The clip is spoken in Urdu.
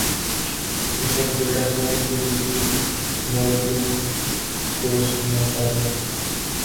کہ چل بیٹا ساری زندگی مولبیوں کو سنتا رہ